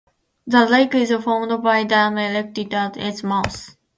This lake is formed by the dam erected at its mouth.